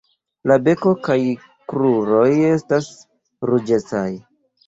La beko kaj kruroj estas ruĝecaj.